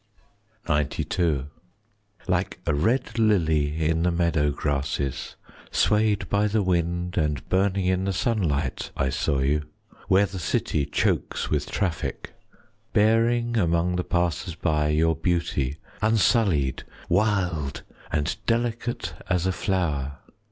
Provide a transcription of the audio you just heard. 20 XCII Like a red lily in the meadow grasses, Swayed by the wind and burning in the sunlight, I saw you, where the city chokes with traffic, Bearing among the passers by your beauty, Unsullied, wild, and delicate as a flower.